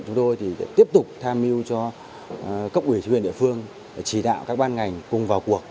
chúng tôi thì tiếp tục tham mưu cho cốc ủy huyện địa phương để chỉ đạo các ban ngành cùng vào cuộc